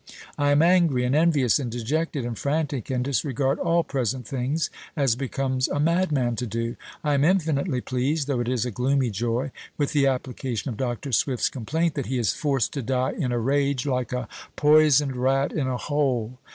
I am angry, and envious, and dejected, and frantic, and disregard all present things, as becomes a madman to do. I am infinitely pleased (though it is a gloomy joy) with the application of Dr. Swift's complaint, that he is forced to die in a rage, like a poisoned rat in a hole."